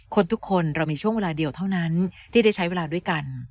คนทุกคนเรามีช่วงเวลาเดียวเท่านั้นที่ได้ใช้เวลาด้วยกัน